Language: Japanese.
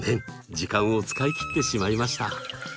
時間を使い切ってしまいました。